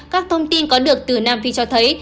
các thông tin có được từ nam phi cho thấy